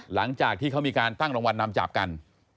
หลังจากที่เขามีการตั้งรางวัลนำจับกัน